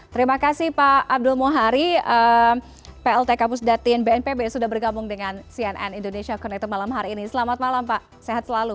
terima kasih pak abdul muhari plt kapus datin bnpb sudah bergabung dengan cnn indonesia connected malam hari ini selamat malam pak sehat selalu